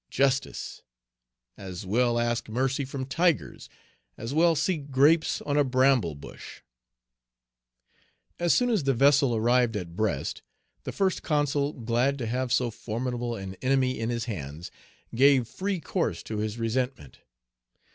"Justice!" As well ask mercy from tigers; as well seek grapes on a bramble bush. As soon as the vessel arrived at Brest, the First Consul, glad to have so formidable an enemy in his hands, gave free course to his resentment.